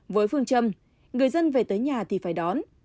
với phương châm người dân về tới nhà thì phải đón